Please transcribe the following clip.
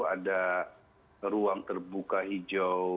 ada ruang terbuka hijau